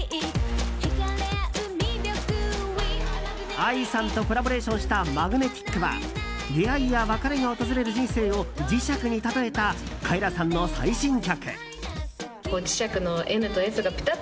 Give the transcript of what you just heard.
ＡＩさんとコラボレーションした「ＭＡＧＮＥＴＩＣ」は出会いや別れが訪れる人生を磁石に例えたカエラさんの最新曲。